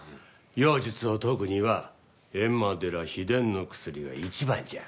妖術を解くには閻魔寺秘伝の薬が一番じゃ。